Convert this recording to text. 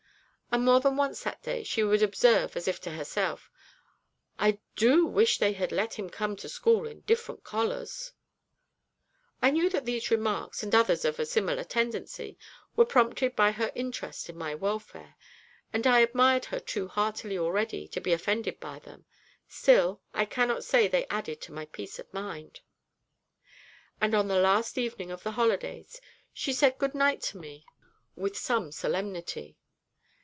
And more than once that day she would observe, as if to herself, 'I do wish they had let him come to school in different collars!' I knew that these remarks, and others of a similar tendency, were prompted by her interest in my welfare, and I admired her too heartily already to be offended by them: still, I cannot say they added to my peace of mind. And on the last evening of the holidays she said 'Good night' to me with some solemnity.